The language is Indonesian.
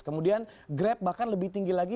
kemudian grab bahkan lebih tinggi lagi